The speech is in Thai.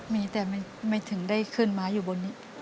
มีแต่ไม่ถึงได้ขึ้นมาอยู่บนนี้